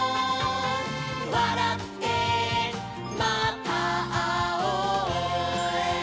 「わらってまたあおう」